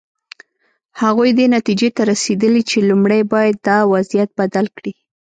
هغوی دې نتیجې ته رسېدلي چې لومړی باید دا وضعیت بدل کړي.